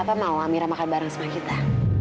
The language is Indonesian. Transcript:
apa mau amirah makan bareng sama kita